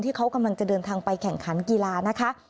ที่เขากำลังจะเดินทางไปแข่งขันกีฬานะคะ